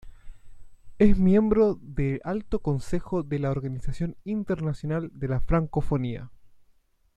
Es miembro de Alto Consejo de la Organización Internacional de la Francofonía.